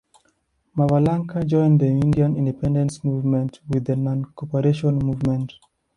Mavalankar joined the Indian Independence Movement with the Non-Cooperation Movement.